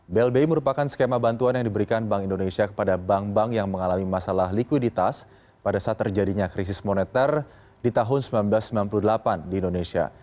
blbi merupakan skema bantuan yang diberikan bank indonesia kepada bank bank yang mengalami masalah likuiditas pada saat terjadinya krisis moneter di tahun seribu sembilan ratus sembilan puluh delapan di indonesia